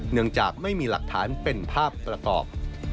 เนื่องจากไม่มีหลักฐานเป็นภาพประกอบ